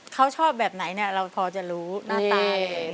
เขาชอบแบบไหนเราพอจะรู้หน้าตาเลย